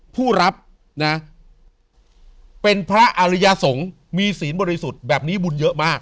ผู้รับนะเป็นพระอริยสงฆ์มีศีลบริสุทธิ์แบบนี้บุญเยอะมาก